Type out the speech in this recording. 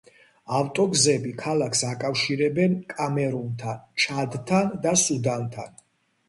ავტოგზები ქალაქს აკავშირებენ კამერუნთან, ჩადთან და სუდანთან.